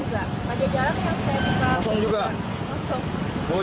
tapi gak ada kantri bagian